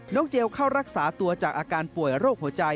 เจลเข้ารักษาตัวจากอาการป่วยโรคหัวใจ